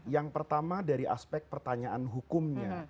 yang pertama dari aspek pertanyaan hukumnya